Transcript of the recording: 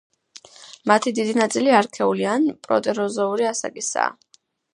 მათი დიდი ნაწილი არქეული ან პროტეროზოური ასაკისაა.